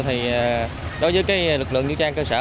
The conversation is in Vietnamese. thì đối với lực lượng vũ trang cơ sở